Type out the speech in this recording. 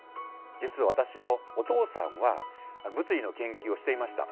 実は私のお父さんは物理の研究をしていました。